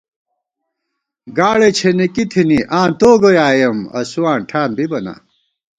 گاڑَئی چھېنېکی تھنی آں تو گوئی آئېم اسُواں ٹھان بِبہ نا